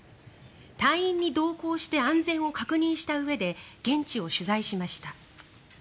隊員に同行して安全を確認したうえで現地を取材しました。